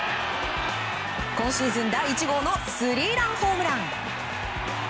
今シーズン第１号のスリーランホームラン。